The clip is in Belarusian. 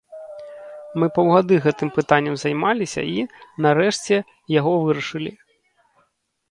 Мы паўгады гэтым пытаннем займаліся і, нарэшце, яго вырашылі.